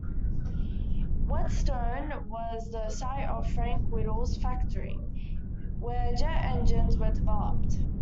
Whetstone was the site of Frank Whittle's factory, where jet engines were developed.